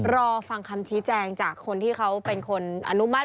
รอฟังคำชี้แจงจากคนที่เขาเป็นคนอนุมัติ